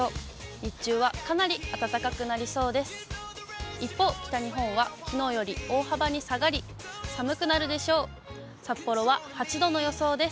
日中はかなり暖かくなりそうです。